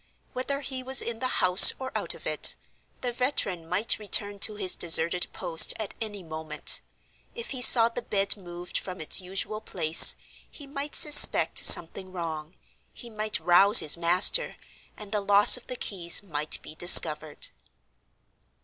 Whether he was in the house or out of it, the veteran might return to his deserted post at any moment. If he saw the bed moved from its usual place, he might suspect something wrong, he might rouse his master, and the loss of the keys might be discovered.